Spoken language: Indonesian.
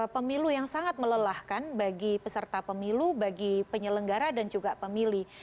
pemilu yang sangat melelahkan bagi peserta pemilu bagi penyelenggara dan juga pemilih